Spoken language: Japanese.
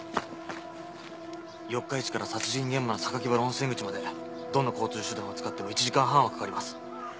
四日市から殺人現場の榊原温泉口までどんな交通手段を使っても１時間半はかかります。